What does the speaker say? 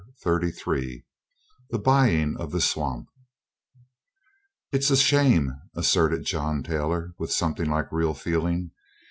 Thirty three THE BUYING OF THE SWAMP "It's a shame," asserted John Taylor with something like real feeling.